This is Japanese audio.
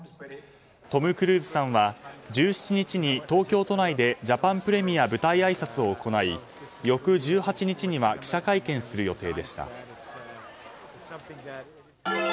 トム・クルーズさんは１７日に東京都内でジャパンプレミア舞台あいさつを行い翌１８日には記者会見する予定でした。